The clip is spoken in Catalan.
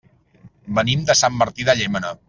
Venim de Sant Martí de Llémena.